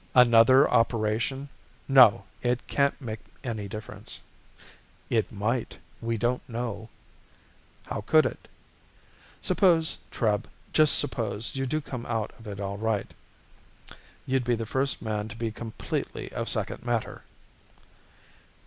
"Another operation? No, it can't make any difference." "It might. We don't know." "How could it?" "Suppose, Treb, just suppose you do come out of it all right. You'd be the first man to be completely of second matter!"